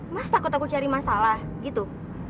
masa takut aku cari masalah gitu